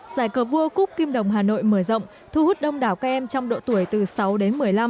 giải cờ vua cúc kim đồng hà nội mở rộng thu hút đông đảo các em trong độ tuổi từ sáu đến một mươi năm